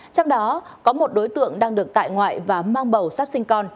trong đó có một đối tượng đang được tại ngoại và mang bầu sắp sinh con